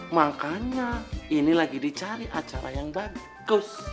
makanya ini lagi dicari acara yang bagus